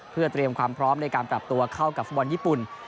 เพื่อเตรียมความพร้อมในการปรับตัวเข้ากับฟุตบอลญี่ปุ่น